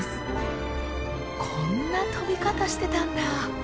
こんな飛び方してたんだ！